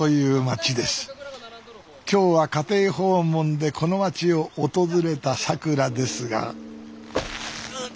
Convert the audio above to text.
今日は家庭訪問でこの町を訪れたさくらですがうっ。